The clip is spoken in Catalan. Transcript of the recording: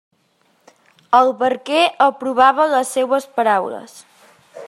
El barquer aprovava les seues paraules.